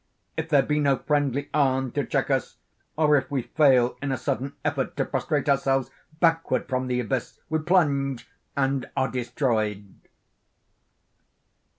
If there be no friendly arm to check us, or if we fail in a sudden effort to prostrate ourselves backward from the abyss, we plunge, and are destroyed.